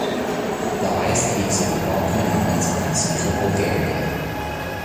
The highest peaks of the Balkan Mountains are in central Bulgaria.